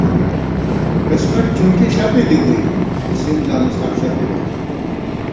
قسمت ٹھُنکی ݪپے دِی بُوئی سِم زانُساں ݪپے گَئیم